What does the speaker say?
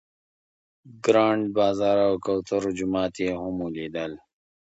ګرانډ بازار او کوترو جومات یې هم ولیدل.